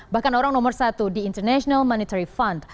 bahkan orang nomor satu di international monetary fund